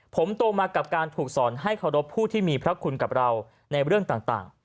ผมโตมากับการถูกสอนให้เคารพผู้ที่มีพระคุณกับเราในเรื่องต่าง